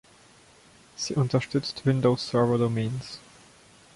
Sie unterstützt Windows Server Domains.